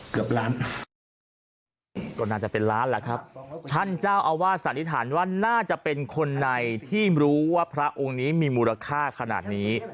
ก็น่าจะเป็นล้านแหละครับท่านเจ้าอาวาสสันนิษฐานว่าน่าจะเป็นคนในที่รู้ว่าพระองค์นี้มีมูลค่าขนาดนี้